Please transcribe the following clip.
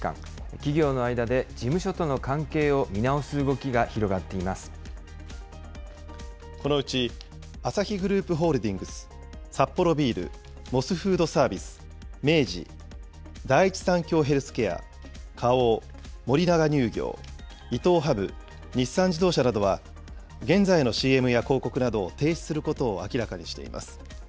企業の間で事務所との関係を見直このうち、アサヒグループホールディングス、サッポロビール、モスフードサービス、明治、第一三共ヘルスケア、花王、森永乳業、伊藤ハム、日産自動車などは、現在のＣＭや広告などを停止することを明らかにしています。